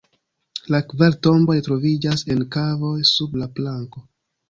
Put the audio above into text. La kvar tomboj troviĝas en kavoj sub la planko.